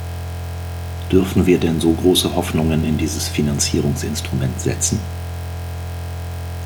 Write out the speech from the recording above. Dürfen wir denn so große Hoffnungen in dieses Finanzierungsinstrument setzen?